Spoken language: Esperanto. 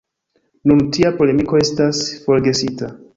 Nun tia polemiko estas forgesita.